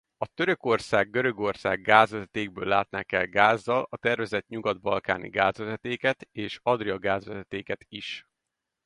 A Törökország–Görögország-gázvezetékből látnák el gázzal a tervezett Nyugat-balkáni gázvezetéket és Adria-gázvezetéket is.